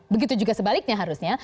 begitu juga sebaliknya harusnya